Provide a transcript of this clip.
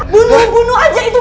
bunuh bunuh aja itu